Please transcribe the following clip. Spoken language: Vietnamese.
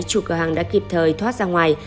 chủ cửa hàng đã kịp thời thoát ra ngoài